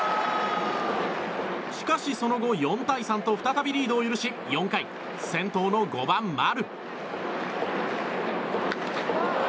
しかし、その後４対３と再びリードを許し４回、先頭の５番、丸。